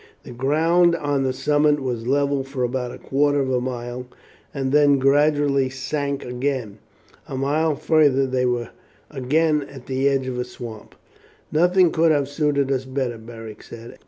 The ground on the summit was level for about a quarter of a mile, and then gradually sank again. A mile farther they were again at the edge of a swamp. "Nothing could have suited us better," Beric said.